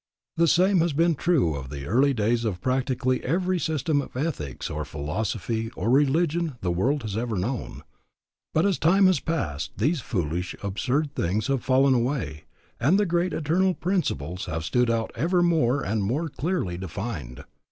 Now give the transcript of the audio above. The same has been true of the early days of practically every system of ethics or philosophy or religion the world has ever known. But as time has passed, these foolish, absurd things have fallen away, and the great eternal principles have stood out ever more and more clearly defined.